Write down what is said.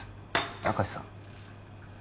明石さん